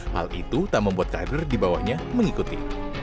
hal itu tak membuat kader di bawahnya mengikuti